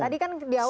tadi kan di awal